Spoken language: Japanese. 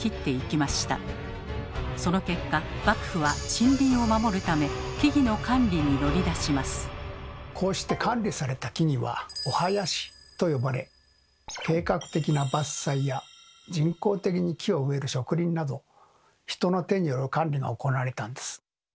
その結果幕府はこうして管理された木々は「御林」と呼ばれ計画的な伐採や人工的に木を植える植林など人の手による管理が行われたんです。